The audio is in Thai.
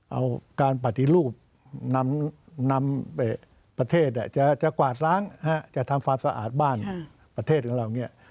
เอาการปฏิรูปนำประเทศจะกวาดล้างจะทำความสะอาดบ้านประเทศของเราเนี่ย